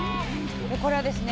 これはですね